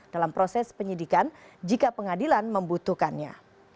dalam proses penyidikan jika pengadilan membutuhkannya